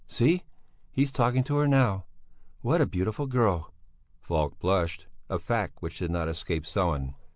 See! He's talking to her now! What a beautiful girl!" Falk blushed, a fact which did not escape Sellén.